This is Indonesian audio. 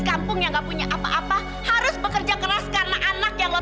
om jangan harap ayu mau maafin om